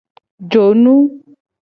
Jonu.